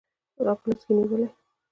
او په لاس کې نیولي